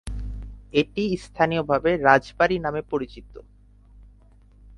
এটি স্থানীয়ভাবে রাজবাড়ি নামে পরিচিত।